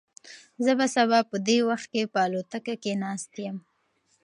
زه به سبا په دې وخت کې په الوتکه کې ناست یم.